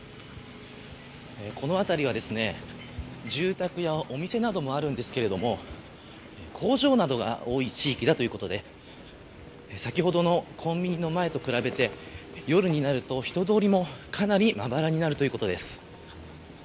この辺りは住宅やお店などもあるんですけど工場などが多い地域だということで先ほどのコンビニの前と比べて夜になると人通りもかなりまばらになるということです。